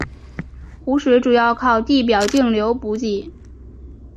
湖水主要靠地表径流补给。